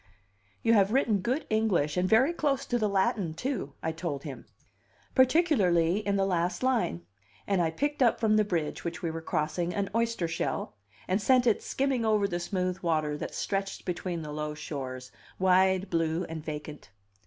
"You have written good English, and very close to the Latin, too," I told him, "particularly in the last line." And I picked up from the bridge which we were crossing, an oyster shell, and sent it skimming over the smooth water that stretched between the low shores, wide, blue, and vacant.